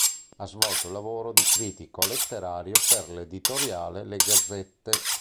Ha svolto il lavoro di critico letterario per l' "Editoriale Le Gazzette".